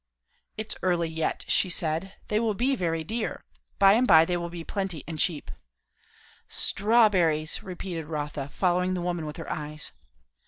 "It's early yet," she said. "They will be very dear. By and by they will be plenty and cheaper." "Strawberries!" repeated Rotha, following the woman with her eyes.